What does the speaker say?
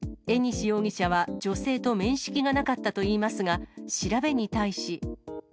江西容疑者は女性と面識がなかったといいますが、調べに対し。